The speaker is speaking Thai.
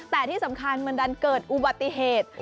แต่ที่สำคัญมันดันเกิดอุบัติเหตุ